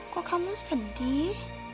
kok kamu sedih